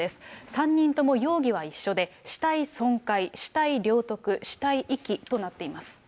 ３人とも容疑は一緒で、死体損壊、死体領得、死体遺棄となっています。